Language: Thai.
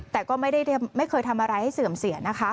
แต่ก็ไม่เคยทำอะไรให้เสื่อมเสียนะคะ